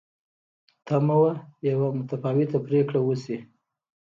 تمه وه یوه متفاوته پرېکړه وشي.